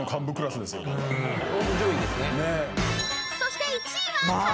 ［そして］